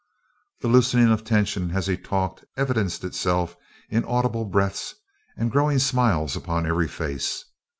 The loosening of the tension as he talked evidenced itself in audible breaths and growing smiles upon every face.